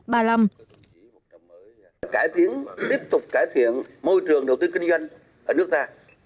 tiếp tục cải thiện môi trường đầu tư kinh doanh ở nước ta